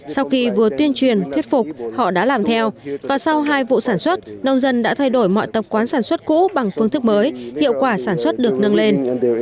sau khi vừa tuyên truyền thuyết phục họ đã làm theo và sau hai vụ sản xuất nông dân đã thay đổi mọi tập quán sản xuất cũ bằng phương thức mới hiệu quả sản xuất được nâng lên